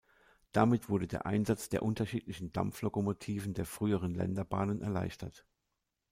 Damit wurde der Einsatz der unterschiedlichen Dampflokomotiven der früheren Länderbahnen erleichtert.